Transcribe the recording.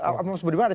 ada catatan sedikit